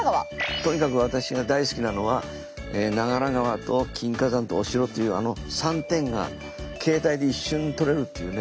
とにかく私が大好きなのは長良川と金華山とお城というあの３点が携帯で一緒に撮れるというね